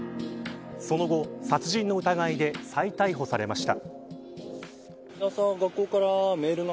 その後、殺人の疑いで再逮捕されました。